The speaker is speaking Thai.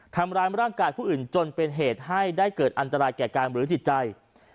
ทำร้ายร่างกายผู้อื่นจนเป็นเหตุให้ได้เกิดอันตรายแก่กายหรือจิตใจ